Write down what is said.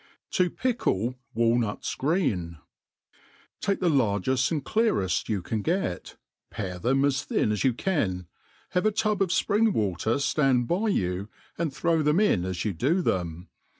To pickle fFafnuU green, TAKE the largcft and cleared you can get, pare thenr as thin as you can, have a tub of fpriiig water (land by yotty and throw them in as you do them.